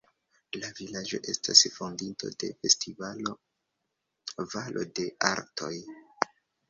La vilaĝo estas fondinto de festivalo Valo de Artoj.